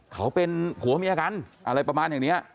เขาเป็นผัวเมียกันอะไรประมาณอย่างนี้